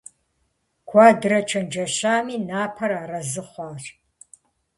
Куэдрэ чэнджэщами, Напэр арэзы хъуащ.